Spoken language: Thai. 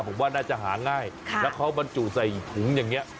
ผมว่าน่าจะหาง่ายแล้วเขาบรรจุใส่ถุงอย่างนี้